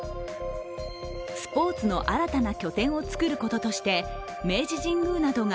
スポーツの新たな拠点をつくることとして明治神宮などが